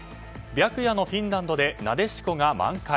白夜のフィンランドでなでしこが満開。